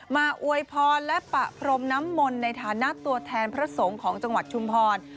อวยพรและปะพรมน้ำมนต์ในฐานะตัวแทนพระสงฆ์ของจังหวัดชุมพร